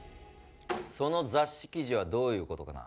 その雑誌記事はどういうことかな？